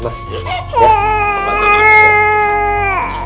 mas ini untuk siap